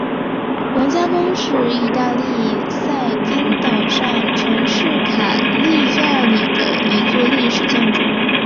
皇家宫是义大利撒丁岛上城市卡利亚里的一座历史建筑。